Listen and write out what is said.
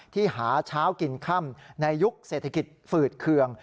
หาเช้ากินค่ำในยุคเศรษฐกิจฝืดเคือง